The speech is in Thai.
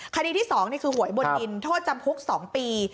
คดีที่๒นี่คือหวยบนดินโทษจำคุก๒ปี